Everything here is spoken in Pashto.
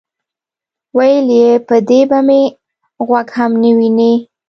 ویل یې: په دې به مې غوږ هم نه وینئ.